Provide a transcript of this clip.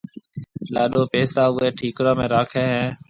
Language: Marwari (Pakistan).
لاڏو پيسا اوئيَ ٺِڪرون ۾ راکيَ ھيََََ